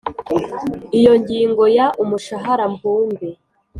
Ingingo ya umushahara mbumbe